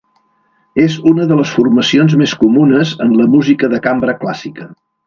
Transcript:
És una de les formacions més comunes en la música de cambra clàssica.